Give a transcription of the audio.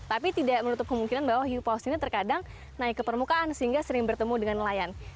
tapi tidak menutup kemungkinan bahwa hiu paus ini terkadang naik ke permukaan sehingga sering bertemu dengan nelayan